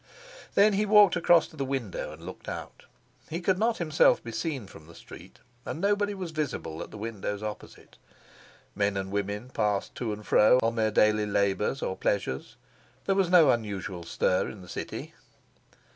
Then he walked across to the window and looked out; he could not himself be seen from the street, and nobody was visible at the windows opposite. Men and women passed to and fro on their daily labors or pleasures; there was no unusual stir in the city.